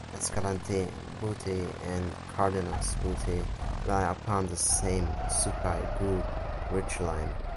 Escalante Butte and Cardenas Butte lie upon the same Supai Group ridgeline.